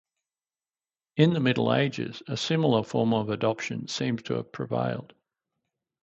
In the Middle Ages a similar form of adoption seems to have prevailed.